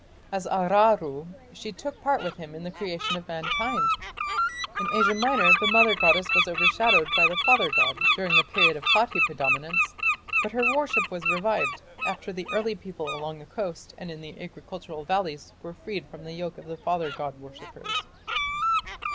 As Aruru she took part with him in the creation of mankind. In Asia Minor the mother goddess was overshadowed by the father god during the period of Hatti predominance, but her worship was revived after the early people along the coast and in the agricultural valleys were freed from the yoke of the father god worshippers.